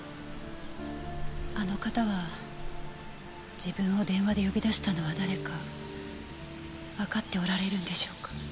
あの方は自分を電話で呼び出したのは誰かわかっておられるんでしょうか？